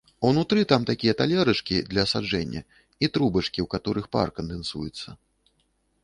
Унутры там такія талерачкі для асаджэння і трубачкі, у каторых пар кандэнсуецца.